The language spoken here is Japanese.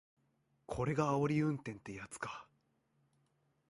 これがあおり運転ってやつか